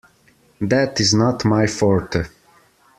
That is not my forte.